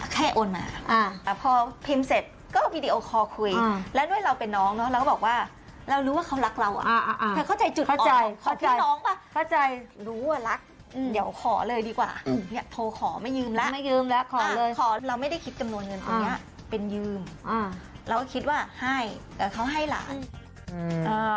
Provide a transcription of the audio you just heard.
เขาไม่ได้คิดจำนวนเงินตัวเนี้ยเป็นยืมอ่าแล้วก็คิดว่าให้แต่เขาให้หลานอืมอ่า